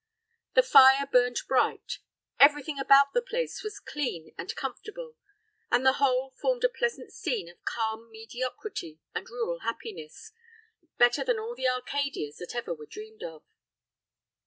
The fire burned bright; every thing about the place was clean and comfortable; and the whole formed a pleasant scene of calm mediocrity and rural happiness, better than all the Arcadias that ever were dreamed of.